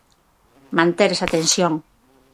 Manter esa tensión.